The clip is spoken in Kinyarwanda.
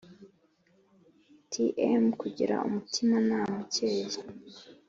Tm kugira umutimanama ukeye